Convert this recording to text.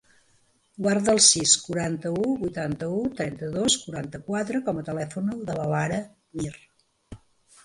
Guarda el sis, quaranta-u, vuitanta-u, trenta-dos, quaranta-quatre com a telèfon de la Lara Mir.